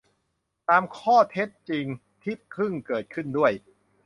ตามข้อเท็จจริงที่เพิ่งเกิดขึ้นด้วย